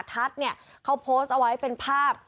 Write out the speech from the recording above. ทัศน์เนี่ยเขาโพสต์เอาไว้เป็นภาพ